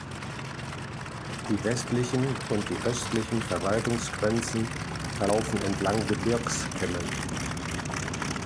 Die westlichen und die östlichen Verwaltungsgrenzen verlaufen entlang Gebirgskämmen.